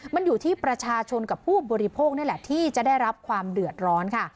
มันอยู่ที่ประชาชนกับผู้บริโภคนี่แหละที่จะได้รับความเดือดร้อนค่ะ